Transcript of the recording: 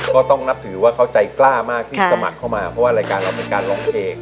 ก็ต้องนับถือว่าเขาใจกล้ามากที่สมัครเข้ามาเพราะว่ารายการเราเป็นการร้องเพลง